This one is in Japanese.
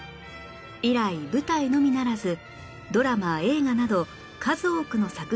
以来舞台のみならずドラマ映画など数多くの作品に出演